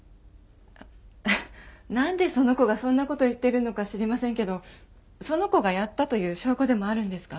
なんでその子がそんな事を言っているのか知りませんけどその子がやったという証拠でもあるんですか？